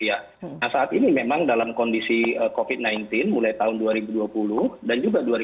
nah saat ini memang dalam kondisi covid sembilan belas mulai tahun dua ribu dua puluh dan juga dua ribu dua puluh